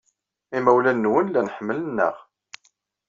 Imawlan-nwen llan ḥemmlen-aɣ.